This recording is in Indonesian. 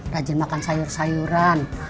rajin makan sayur sayuran